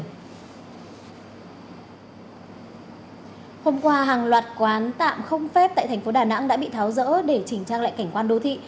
hôm qua hàng loạt quán tạm không phép tại tp đà nẵng đã bị tháo rỡ để trình trang lại cảnh quan đô thị